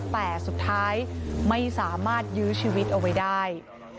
แต่สุดท้ายไม่สามารถยื้อชีวิตเอาไว้ได้